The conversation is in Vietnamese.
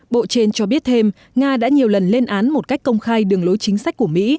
bộ trên cho biết thêm nga đã nhiều lần lên án một cách công khai đường lối chính sách của mỹ